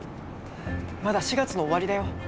まだ４月の終わりだよ？